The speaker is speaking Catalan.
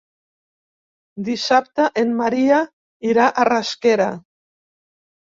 Dissabte en Maria irà a Rasquera.